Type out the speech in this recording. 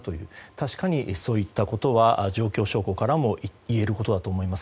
確かにそういったことは状況証拠からもいえることだと思います。